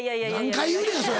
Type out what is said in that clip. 何回言うねんそれ。